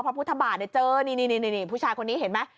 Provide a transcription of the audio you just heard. สพพพุทธบาทเนี่ยเจอนี่นี่นี่นี่นี่ผู้ชายคนนี้เห็นไหม